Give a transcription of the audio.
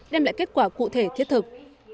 đem lại kết quả cụ thể thiết thực